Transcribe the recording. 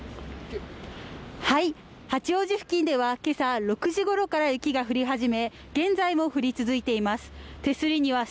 八王子付近ではけさ６時ごろから雪が降り始め現在も降り続いています